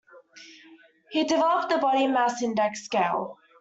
He developed the body mass index scale.